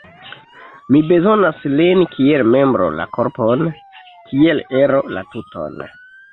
Mi bezonas lin kiel membro la korpon, kiel ero la tuton.